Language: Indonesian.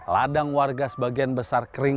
ladang warga sebagian besar kering